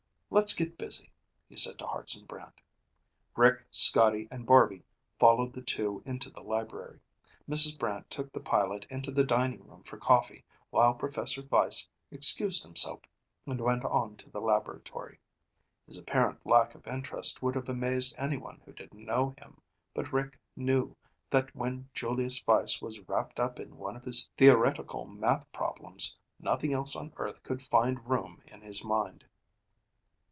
"Let's get busy," he said to Hartson Brant. Rick, Scotty, and Barby followed the two into the library. Mrs. Brant took the pilot into the dining room for coffee while Professor Weiss excused himself and went on to the laboratory. His apparent lack of interest would have amazed anyone who didn't know him, but Rick knew that when Julius Weiss was wrapped up in one of his theoretical math problems, nothing else on earth could find room in his mind.